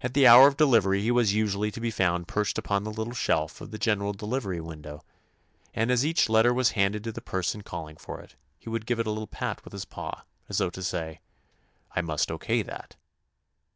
At the hour of delivery he was usually to be found perched upon the little shelf 185 THE ADVENTURES OF of the general delivery window, and as each letter was handed to the per son calling for it he would give it a little pat with his paw as though to say, "I must O. K. that."